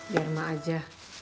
biar mak aja